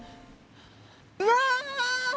うわ！